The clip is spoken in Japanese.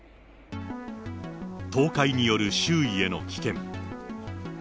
倒壊による周囲への危険。